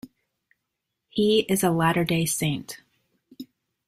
He is a Latter-day Saint.